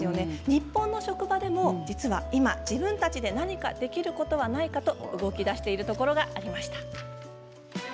日本の職場でも今自分たちで何かできることはないかと動きだしているところがありました。